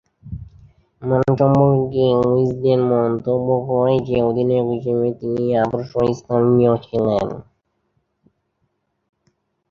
মান সম্পর্কে উইজডেন মন্তব্য করে যে, অধিনায়ক হিসেবে তিনি আদর্শস্থানীয় ছিলেন।